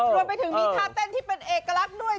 รวมไปถึงมีท่าเต้นที่เป็นเอกลักษณ์ด้วย